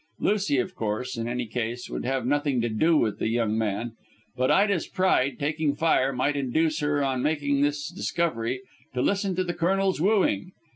Lucy, of course, in any case would have nothing to do with the young man; but Ida's pride, taking fire, might induce her, on making this discovery, to listen to the Colonel's wooing.